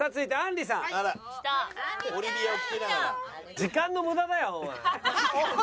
時間の無駄だよおい。